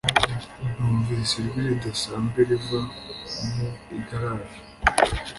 Numvise ijwi ridasanzwe riva mu igaraje